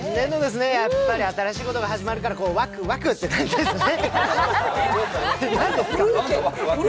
やっぱり新しいことが始まるからワクワクって感じですね。